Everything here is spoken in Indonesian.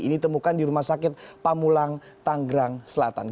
ini ditemukan di rumah sakit pamulang tanggerang selatan